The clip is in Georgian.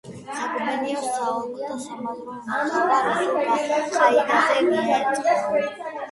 საგუბერნიო, საოლქო და სამაზრო მმართველობა რუსულ ყაიდაზე მოეწყო.